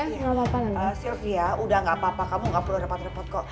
sylvia udah gak apa apa kamu gak perlu repot repot kok